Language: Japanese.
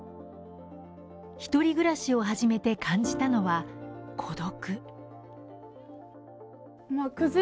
１人暮らしを初めて感じたのは孤独。